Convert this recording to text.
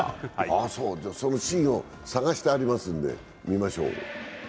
そのシーンを探してありますので、見ましょう。